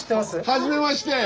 はじめまして。